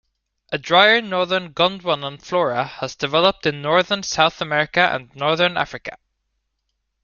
A drier northern Gondwanan flora had developed in northern South America and northern Africa.